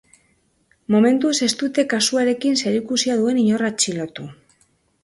Momentuz ez dute kasuarekin zerikusia duen inor atxilotu.